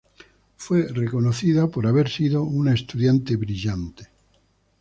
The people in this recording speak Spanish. Fue reconocida por haber sido una estudiante brillante.